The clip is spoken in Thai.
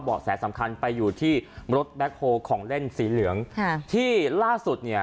แสสำคัญไปอยู่ที่รถแบ็คโฮลของเล่นสีเหลืองค่ะที่ล่าสุดเนี่ย